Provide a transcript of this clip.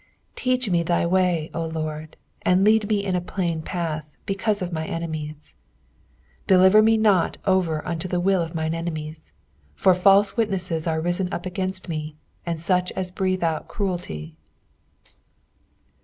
1 1 Teach me thy way, O LORD, and lead me in a plain path, because of mine enemies. 12 Deliver me not over unto the will of mine enemies : for false witnesses are risen up against me, and such as breathe out cruelty.